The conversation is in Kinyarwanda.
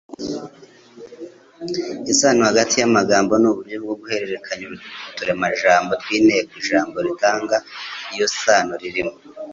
Isano hagati y’amagambo ni uburyo bwo guhererekanya uturemajambo tw’inteko ijambo ritanga iyo sano ririmo.